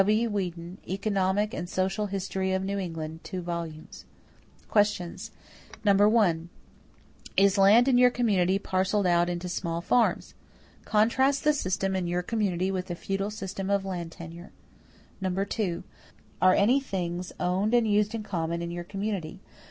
W. Weeden, Economic and Social History of New England. (2 vols.). =Questions= 1. Is land in your community parceled out into small farms? Contrast the system in your community with the feudal system of land tenure. 2. Are any things owned and used in common in your community?